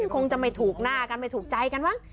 คงจะไม่ถูกหน้ากันไม่ถูกใจกันมั้ง